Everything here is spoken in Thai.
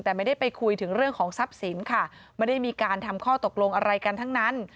แต่ไม่ได้ไปคุยถึงเรื่องของทรัพย์สินค่ะไม่ได้มีการทำข้อตกลงอะไรกันทั้งนั้น